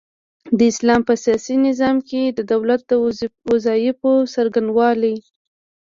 د اسلام په سياسي نظام کي د دولت د وظايفو څرنګوالۍ